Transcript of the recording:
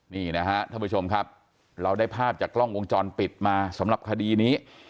นี่นะฮะท่านผู้ชมครับเราได้ภาพจากกล้องวงจรปิดมาสำหรับคดีนี้